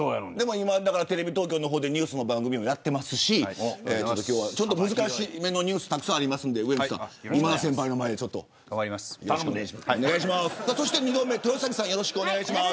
テレビ東京の方でニュース番組もやってますし今日は難しめのニュースがたくさんあるんで今田先輩の前でよろしくお願いします。